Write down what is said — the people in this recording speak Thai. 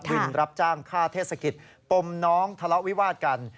รับจ้างค่าเทศกิจปมน้องทะเลาะวิวาดกัน